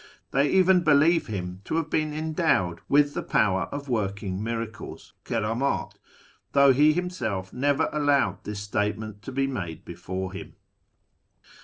They even believe him to have been endowed with the power of working miracles (Jcerdmdt), though he himself never allowed this statement to be made before him.